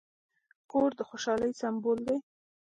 کور د خوشحالۍ سمبول دی.